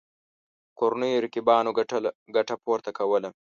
کورنیو رقیبانو ګټه پورته کوله.